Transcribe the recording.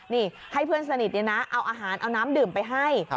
นี่ให้เพื่อนสนิทเอาอาหารเอาน้ำดื่มไปให้